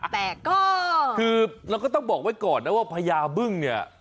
แต่ก็คือเราก็ต้องบอกไว้ก่อนนะว่าพญาบึ้งเนี่ย